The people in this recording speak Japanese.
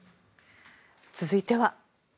続いては。